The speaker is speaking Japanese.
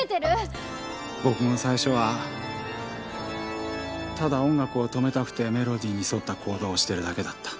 僕も最初はただ音楽を止めたくてメロディーに沿った行動をしてるだけだった。